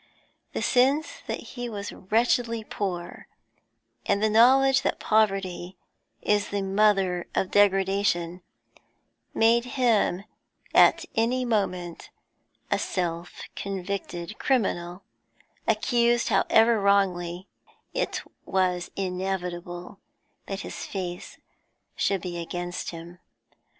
The sense that he was wretchedly poor, and the knowledge that poverty is the mother of degradation, made him at any moment a self convicted criminal; accused, however wrongly, it was inevitable that his face should be against him.